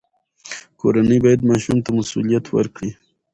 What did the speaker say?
کورنۍ باید ماشوم ته مسوولیت ورکړي.